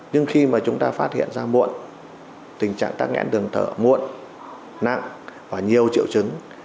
nhưng khi mà chúng ta phát hiện ra muộn tình trạng tắc nghẽn đường thở muộn nặng và nhiều triệu chứng